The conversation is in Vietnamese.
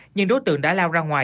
nhưng đối tượng đã lao ra ngoài